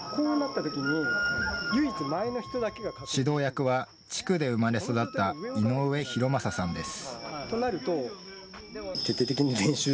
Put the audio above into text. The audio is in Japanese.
指導役は地区で生まれ育った井上広正さんです。